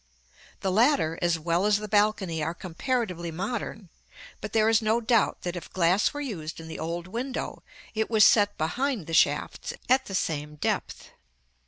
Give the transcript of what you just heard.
The latter, as well as the balcony, are comparatively modern; but there is no doubt that if glass were used in the old window, it was set behind the shafts, at the same depth.